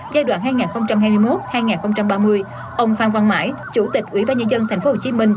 giai đoạn hai nghìn hai mươi một hai nghìn ba mươi ông phan văn mãi chủ tịch ủy ban nhân dân tp hcm